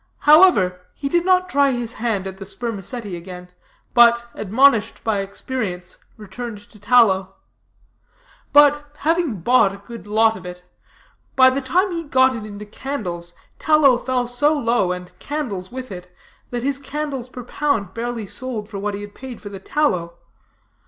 However, he did not try his hand at the spermaceti again, but, admonished by experience, returned to tallow. But, having bought a good lot of it, by the time he got it into candles, tallow fell so low, and candles with it, that his candles per pound barely sold for what he had paid for the tallow.